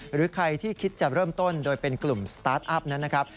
หรือใครที่คิดจะเริ่มต้นโดยเป็นกลุ่มสตาร์ทอัพนั้นนะครับ